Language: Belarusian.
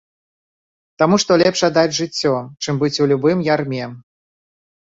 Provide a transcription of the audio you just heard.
Таму што лепш аддаць жыццё, чым быць у любым ярме.